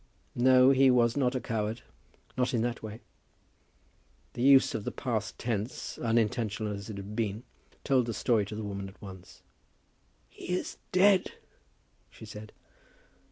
"No; he was not a coward; not in that way." The use of the past tense, unintentional as it had been, told the story to the woman at once. "He is dead," she said.